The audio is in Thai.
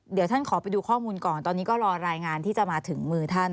เดี๋ยวท่านขอไปดูข้อมูลก่อนตอนนี้ก็รอรายงานที่จะมาถึงมือท่าน